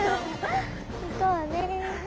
行こうね。